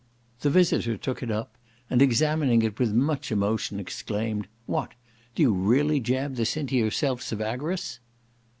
The visitor took it up, and examining it with much emotion, exclaimed, "what! do you really jab this into yourself sevagarous?"